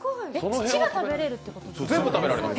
土が食べれるってことですか！？